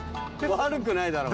悪くないだろう。